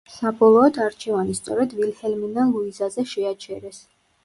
საბოლოოდ არჩევანი სწორედ ვილჰელმინა ლუიზაზე შეაჩერეს.